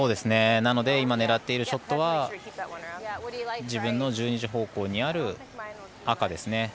なので今狙っているショットは自分の１２時方向にある赤ですね。